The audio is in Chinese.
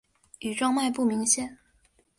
羽状脉不明显。